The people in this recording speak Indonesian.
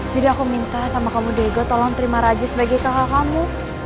jadi aku minta sama kamu dego tolong terima raja sebagai kakak kamu